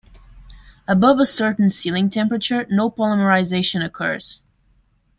Above a certain ceiling temperature, no polymerization occurs.